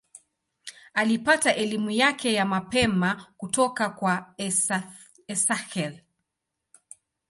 Alipata elimu yake ya mapema kutoka kwa Esakhel.